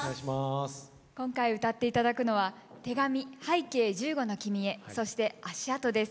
今回歌って頂くのは「手紙拝啓十五の君へ」そして「足跡」です。